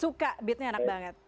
suka beatnya enak banget